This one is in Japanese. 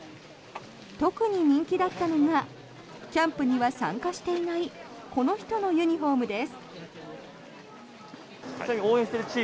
特に人気だったのがキャンプには参加していないこの人のユニホームです。